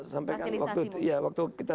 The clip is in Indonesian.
sampaikan waktu kita